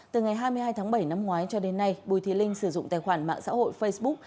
từ ngày hai mươi hai tháng bảy năm ngoái cho đến nay bùi thị linh sử dụng tài khoản mạng xã hội facebook